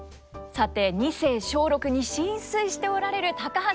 さて二世松緑に心酔しておられる高橋英樹さん。